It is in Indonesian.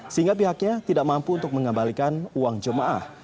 sehingga pihaknya tidak mampu untuk mengembalikan uang jemaah